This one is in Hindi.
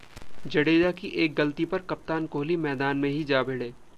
जडेजा की एक गलती पर कप्तान कोहली मैदान में ही जा भिड़े!